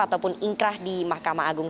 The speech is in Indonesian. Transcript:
ataupun ingkrah di mahkamah agung